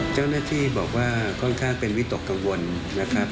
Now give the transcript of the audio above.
เจ้าหน้าที่บอกว่าค่อนข้างเป็นวิตกกังวลนะครับ